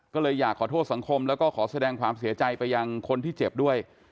ก็เลยอยากขอโทษสังคมแล้วก็ขอแสดงความเสียใจไปยังคนที่เจ็บด้วย